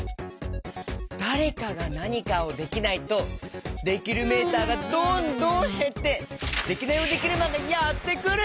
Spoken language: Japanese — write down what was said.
だれかがなにかをできないとできるメーターがどんどんへってデキナイヲデキルマンがやってくる！